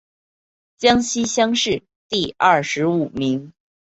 江西乡试第二十五名。